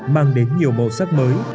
mang đến nhiều màu sắc mới